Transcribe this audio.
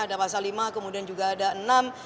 ada pasal lima kemudian juga ada enam